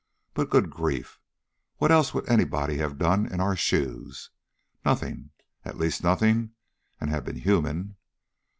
But, good grief! What else would anybody have done in our shoes? Nothing. At least nothing, and have been human.